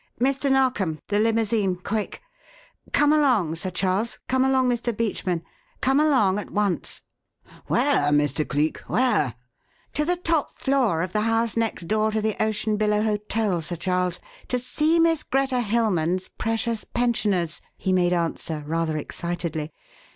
Mr. Narkom, the limousine quick! Come along, Sir Charles; come along, Mr. Beachman come along at once!" "Where, Mr. Cleek where?" "To the top floor of the house next door to the Ocean Billow Hotel, Sir Charles, to see 'Miss Greta Hilmann's' precious pensioners," he made answer, rather excitedly.